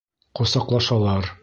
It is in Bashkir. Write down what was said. Ҡосаҡлашалар.